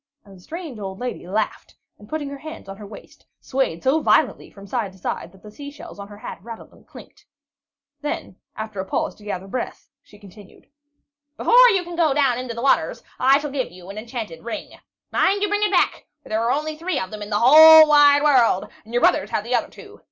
And the strange old lady laughed and, putting her hands on her waist, swayed so violently from side to side that the sea shells on her hat rattled and clicked. Then, after a pause to gather breath, she continued: "Before you can go down into the waters, I shall have to give you an enchanted ring. Mind you bring it back, for there are only three of them in the whole wide world, and your brothers have the other two.